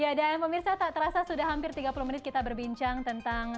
ya dan pemirsa tak terasa sudah hampir tiga puluh menit kita berbincang tentang